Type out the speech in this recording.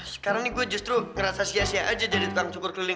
sekarang ini gue justru ngerasa sia sia aja jadi tukang cukur keliling